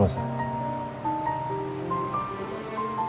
mobil tahanan rusak paling keras